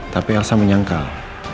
tapi elsa menyangkal